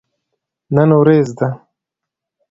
نن وريځ ده